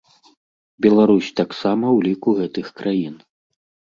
Беларусь таксама ў ліку гэтых краін.